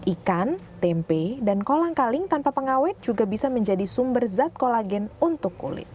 ikan tempe dan kolang kaling tanpa pengawet juga bisa menjadi sumber zat kolagen untuk kulit